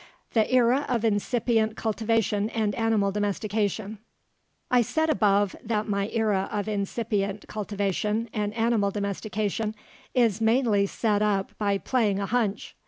THE ERA OF INCIPIENT CULTIVATION AND ANIMAL DOMESTICATION I said above (p. 105) that my era of incipient cultivation and animal domestication is mainly set up by playing a hunch.